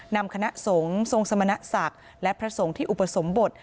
นำคณะสงฆ์ทรงสมณศักดิ์และพระสงฆ์ที่อุปสมบท